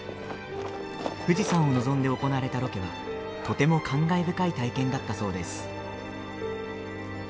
富士山を望んで行われたロケはとても感慨深い体験だったそうです。